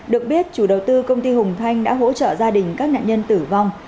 được biết chủ đầu tư công ty hùng thanh đã hỗ trợ gia đình các nạn nhân tử vong